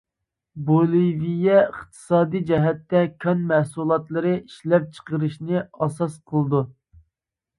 بولىۋىيە ئىقتىسادىي جەھەتتە كان مەھسۇلاتلىرى ئىشلەپچىقىرىشنى ئاساس قىلىدۇ.